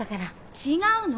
違うの！